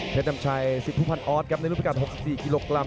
เทศจำชัย๑๐ผู้พันออสครับในรูปราการ๖๔กิโลกรัม